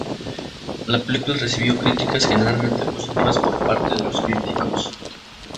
La película recibió críticas generalmente positivas por parte de los críticos.